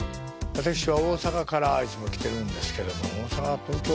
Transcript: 私は大阪からいつも来てるんですけども大阪東京